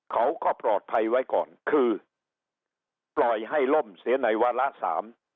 เขาก็ปลอดภัยไว้ก่อนคือปล่อยให้ล่มเสียในวาระสาม